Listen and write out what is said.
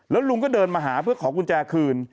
แล้วลุงก็เดินมาหาเพื่อขอกุญแจคืน